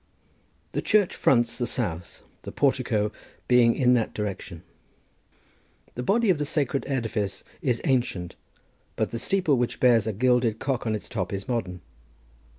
The church fronts the south, the portico being in that direction. The body of the sacred edifice is ancient, but the steeple, which bears a gilded cock on its top, is modern.